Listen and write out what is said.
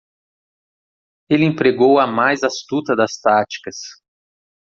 Ele empregou a mais astuta das táticas.